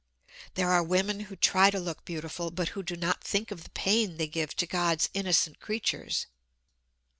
There are women who try to look beautiful, but who do not think of the pain they give to God's innocent creatures.